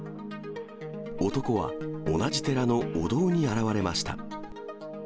男は同じ寺のお堂に現れました。